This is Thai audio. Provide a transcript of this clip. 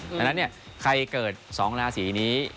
อือค่ะแต่นั้นเนี่ยใครเกิดสองราศีนี้